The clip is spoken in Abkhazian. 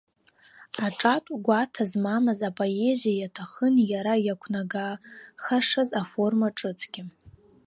Аҿатә гәаҭа змамыз апоезиа иаҭахын иара иақәнагахашаз аформа ҿыцгьы.